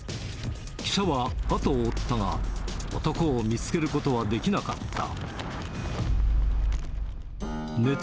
記者は後を追ったが、男を見つけることはできなかった。